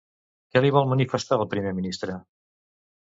Què li vol manifestar el primer ministre?